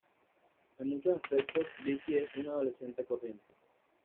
En muchos aspectos, Vicki es una adolescente corriente.